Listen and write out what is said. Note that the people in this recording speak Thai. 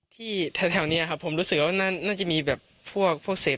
ที่แถวนี้ครับผมรู้สึกว่าน่าจะมีแบบพวกเสพอยู่เยอะครับ